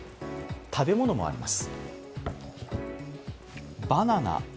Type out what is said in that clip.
食べ物もあります。